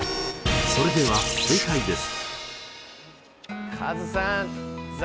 それでは正解です。